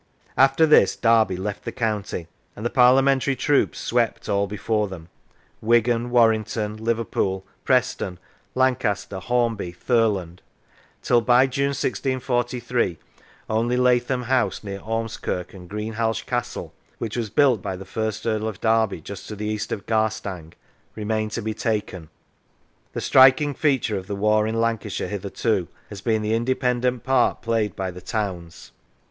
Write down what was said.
After this Derby left the county, and the Parlia mentary troops swept all before them Wigan, Warrington, Liverpool, Preston, Lancaster, Hornby, Thurland till by June, 1643, only Lathom House, near Ormskirk, and Greenhalgh Castle, which was built by the first Earl of Derby just to the east oi Garstang, remained to be taken. The striking feature of the war in Lancashire hitherto has been the independent part played by the towns.